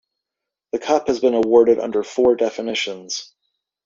The Cup has been awarded under four definitions.